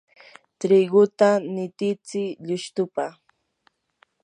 triguta nititsi llustupa.